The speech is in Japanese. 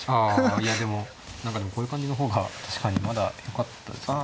あいやでもこういう感じの方が確かにまだよかったですね。